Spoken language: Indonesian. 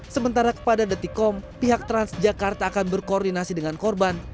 sementara kepada detikom pihak transjakarta akan berkoordinasi dengan korban